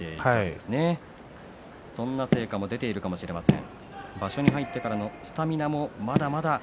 そんな成果も出ているかもしれません。